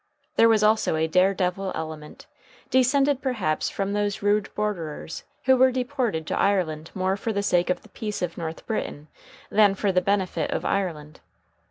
There was also a dare devil element, descended perhaps from those rude borderers who were deported to Ireland more for the sake of the peace of North Britain than for the benefit of Ireland.